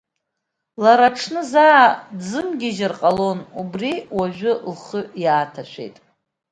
Лара аҽны заа дзымгьежьыр ҟалон, убри уажәы лхы иааҭашәеит.